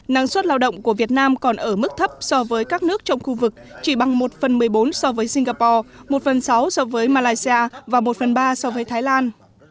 năng suất lao động của việt nam còn ở mức thấp so với các nước trong khu vực chỉ bằng một phần một mươi bốn so với singapore một phần sáu so với malaysia và một phần ba so với thái lan